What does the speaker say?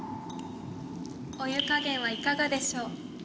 お湯加減はいかがでしょう？